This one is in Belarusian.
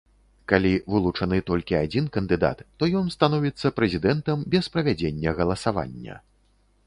Калі вылучаны толькі адзін кандыдат, то ён становіцца прэзідэнтам без правядзення галасавання.